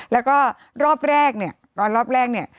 แล้วก็รอบแรกเนี่ยตอนรอบแรกเนี่ย